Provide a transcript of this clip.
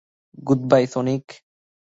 Good bye, Sonic.